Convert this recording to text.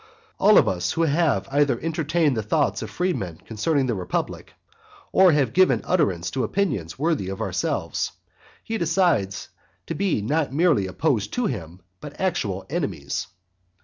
All of us who have either entertained the thoughts of freemen concerning the republic, or have given utterance to opinions worthy of ourselves, he decides to be not merely opposed to him, but actual enemies.